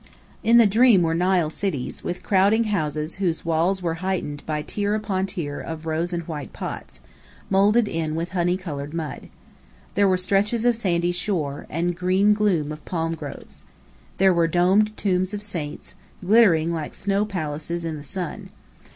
In the dream were Nile cities, with crowding houses whose walls were heightened by tier upon tier of rose and white pots, moulded in with honey coloured mud. There were stretches of sandy shore, and green gloom of palm groves. There were domed tombs of saints, glittering like snow palaces in the sun.